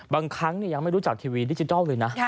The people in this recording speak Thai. บางครั้งยังไม่รู้จักทีวีดิจิทัลเลยนะ